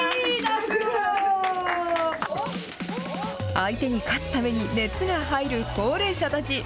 相手に勝つために熱が入る高齢者たち。